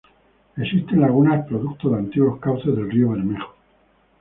Existen lagunas producto de antiguos cauces del río Bermejo.